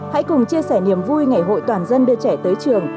hãy cùng chia sẻ niềm vui ngày hội toàn dân đưa trẻ tới trường